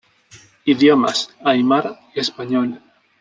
Idiomas: aimara y español.